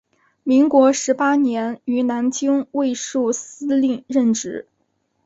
民国十八年于南京卫戍司令任职。